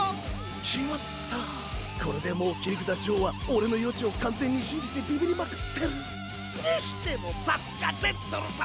決まったこれでもう切札ジョーは俺の予知を完全に信じてビビりまくってる！にしてもさすがジェンドル様！